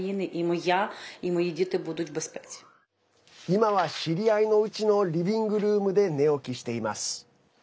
今は、知り合いのうちのリビングルームで寝起きしています。